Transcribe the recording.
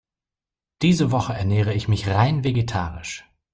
Diese Woche ernähre ich mich rein vegetarisch.